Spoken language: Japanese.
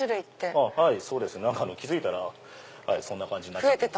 気付いたらそんな感じになっちゃった。